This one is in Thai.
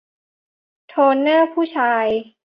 โทนเนอร์ผู้ชาย